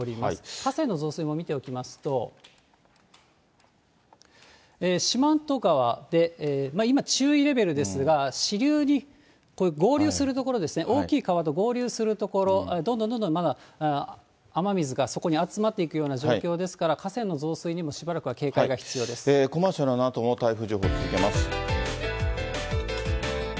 河川の増水も見ておきますと、四万十川で今、注意レベルですが、支流に合流する所ですね、大きい川と合流する所、どんどんどんどんまだ、雨水がそこに集まっていくような状況ですから、河川の増水にもし台風１４号なんですが、あと数時間しますと、九州上陸。